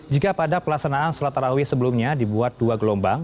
jika pada pelaksanaan sholat tarawih sebelumnya dibuat dua gelombang